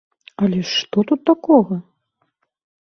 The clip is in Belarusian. Але ж што тут такога?